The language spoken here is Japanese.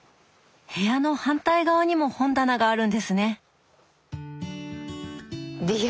部屋の反対側にも本棚があるんですね！